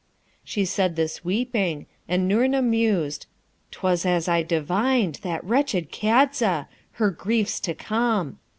She said this weeping, and Noorna mused, ''Twas as I divined, that wretched Kadza: her grief 's to come!'